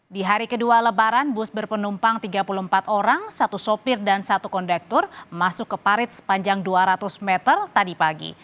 di hari kedua lebaran bus berpenumpang tiga puluh empat orang satu sopir dan satu kondektor masuk ke parit sepanjang dua ratus meter tadi pagi